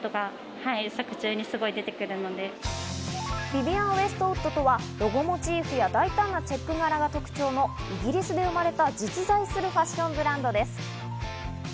ヴィヴィアン・ウエストウッドとはロゴモチーフや大胆なチェック柄が特徴のイギリスで生まれた実在するファッションブランドです。